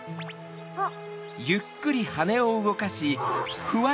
あっ。